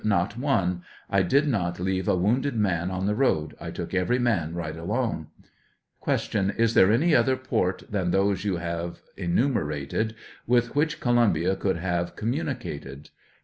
Not one ; I did not leave a wounded man on the road ; I took every man right along. Q. Is there any other port than those you have enu merated with which Columbia could have communica ted?